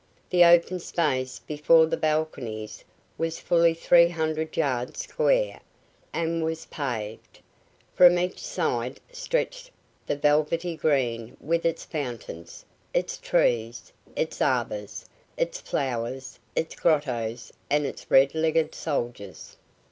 The open space before the balconies was fully three hundred yards square, and was paved. From each side stretched the velvety green with its fountains, its trees, its arbors, its flowers, its grottos and its red legged soldiers.